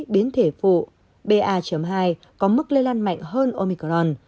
biến thể phụ ba hai có mức lây lan mạnh hơn omicron